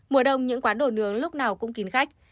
mùa đông những quán đổ nướng lúc nào cũng kín khách